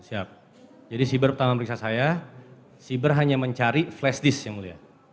siap jadi siber pertama meriksa saya siber hanya mencari flash disk yang mulia